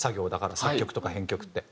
作曲とか編曲って。